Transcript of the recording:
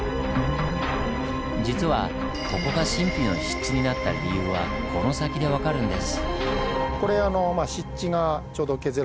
実はここが神秘の湿地になった理由はこの先で分かるんです。